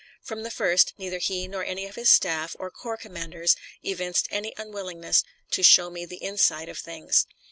From the first neither he nor any of his staff or corps commanders evinced any unwillingness to show me the inside of things.